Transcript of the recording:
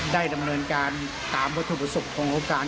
ได้ดำเนินการตามวัตถุประสุทธิ์ของโครงโครงการ